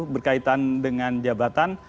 berkaitan dengan jabatan